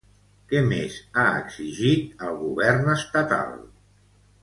Què més ha exigit al Govern estatal?